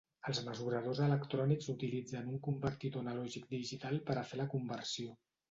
Els mesuradors electrònics utilitzen un convertidor analògic-digital per a fer la conversió.